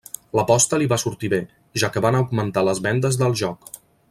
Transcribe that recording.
L'aposta li va sortir bé, ja que van augmentar les vendes del joc.